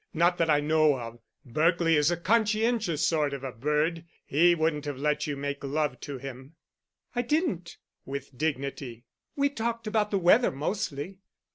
Not that I know of. Berkely is a conscientious sort of a bird—he wouldn't have let you make love to him——" "I didn't," with dignity, "we talked about the weather mostly."